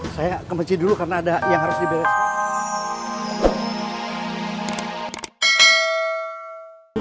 saya ke masjid dulu karena ada yang harus dibelan